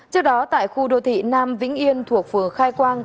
trước đó tại khu đô thị nam vĩnh yên thuộc phường khai quang